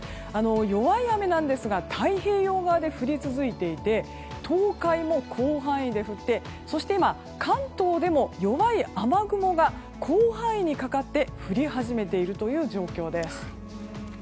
弱い雨なんですが太平洋側で降り続いていて東海も広範囲で降ってそして今、関東でも弱い雨雲が広範囲にかかって降り始めているという状況です。